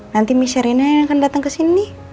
nanti miss rena yang akan datang kesini